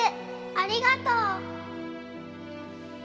ありがとう。